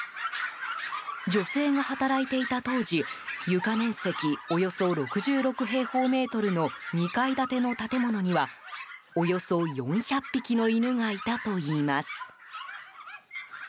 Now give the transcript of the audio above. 女性が働いていた当時床面積およそ６６平方メートルの２階建ての建物にはおよそ４００匹の犬がいたといいます。